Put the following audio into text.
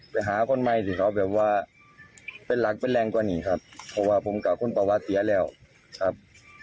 ไปหาคนใหม่สิเขาแบบว่าเป็นหลักเป็นแรงกว่านี้ครับเพราะว่าผมกับคนประวัติเสียแล้วครับ